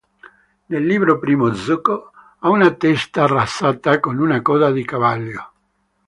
Nel Libro primo, Zuko ha una testa rasata con una coda di cavallo.